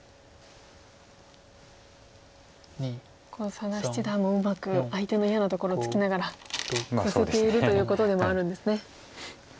佐田七段もうまく相手の嫌なところをつきながらヨセているということでもあるんですね。